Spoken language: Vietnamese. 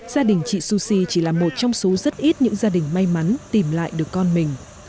gia đình chị sushi chỉ là một trong số rất ít những gia đình may mắn tìm lại được con mình